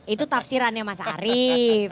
itu tafsirannya mas arief